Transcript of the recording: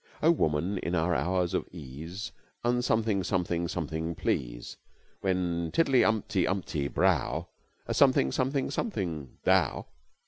"Oh, woman in our hours of ease, Un something, something, something, please. When tiddly umpty umpty brow, A something, something, something, thou!"